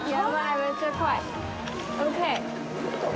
めっちゃ怖い。